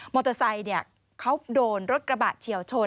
มอเตอร์ไซค์เนี่ยเขาโดนรถกระบาดเฉียวชน